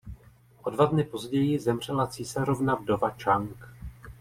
O dva dny později zemřela císařovna vdova Čang.